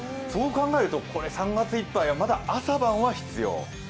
そう考えると３月いっぱいは、まだ朝晩は必要。